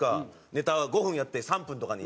ネタを５分やって３分とかに。